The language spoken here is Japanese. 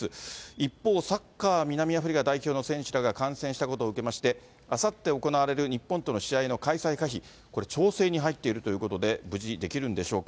一方、サッカー南アフリカ代表の選手らが感染したことを受けまして、あさって行われる日本との試合の開催可否、これ、調整に入っているということで、無事できるんでしょうか。